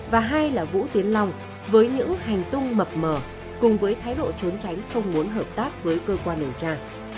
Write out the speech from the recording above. và hai là vũ tiến long với những hành tung mập mờ cùng với thái độ trốn tránh không muốn hợp tác với cơ quan điều tra